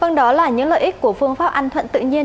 vâng đó là những lợi ích của phương pháp ăn thuận tự nhiên